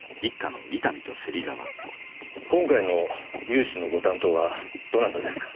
今回の融資のご担当はどなたですか？